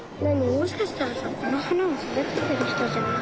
もしかしたらさこのはなをそだててるひとじゃない？